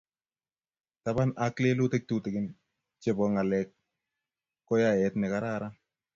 taban ak lelutik tutikin chebo ng'alek, ko yaet nekararan